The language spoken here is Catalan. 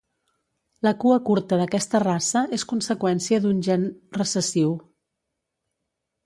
La cua curta d'aquesta raça és conseqüència d'un gen recessiu.